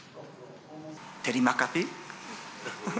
テリマカシ。